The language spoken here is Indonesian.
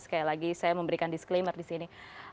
sekali lagi saya memberikan disclaimer di sini